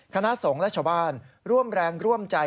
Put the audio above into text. คณะสงฆ์และชาวบ้านร่วมแรงร่วมใจ